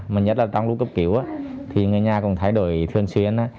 mà nhất là trong lúc cấp cứu thì người nhà cũng thay đổi thường xuyên